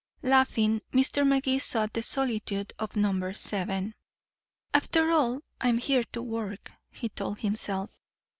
Laughing, Mr. Magee sought the solitude of number seven. "After all, I'm here to work," he told himself.